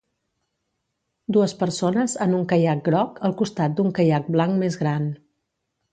Dues persones en un caiac groc al costat d'un caiac blanc més gran